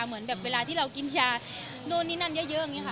เหมือนแบบเวลาที่เรากินยานู่นนี่นั่นเยอะอย่างนี้ค่ะ